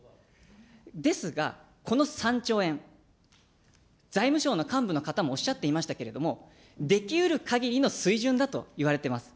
ですが、この３兆円、財務省の幹部の方もおっしゃっていましたけれども、できうるかぎりの水準だといわれています。